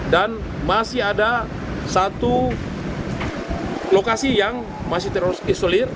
dan masih ada satu lokasi yang masih terisolir